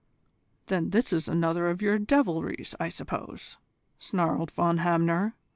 "Then this is another of your devilries, I suppose," snarled Von Hamner.